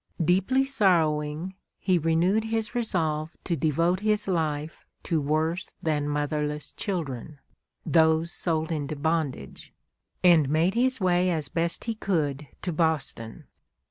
Deeply sorrowing, he renewed his resolve to devote his life to worse than motherless children, those sold into bondage, and made his way as best he could to Boston.